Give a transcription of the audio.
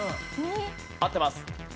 合ってます。